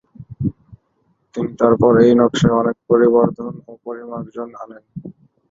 তিনি তারপর এই নকশায় অনেক পরিবর্ধন ও পরিমার্জন আনেন।